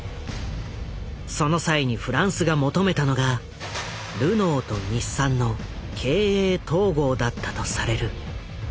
その際にフランスが求めたのが「ルノーと日産の経営統合」だったとされる。